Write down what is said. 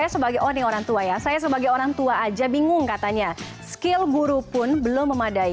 sebagai orang tua saja bingung katanya skill guru pun belum memadai